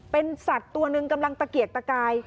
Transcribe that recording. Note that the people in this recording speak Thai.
เป็นสัตว์ตัวหนึ่งกำลังตะเกียกตะกาย